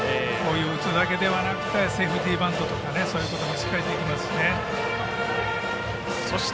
打つだけではなくセーフティーバントとかもしっかりできますしね。